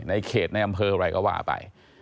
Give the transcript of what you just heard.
ในเขตในอำเภออะไรก็ว่าไป